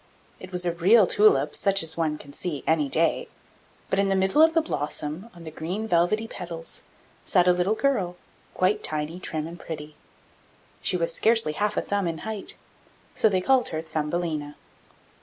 It was a real tulip, such as one can see any day; but in the middle of the blossom, on the green velvety petals, sat a little girl, quite tiny, trim, and pretty. She was scarcely half a thumb in height; so they called her Thumbelina.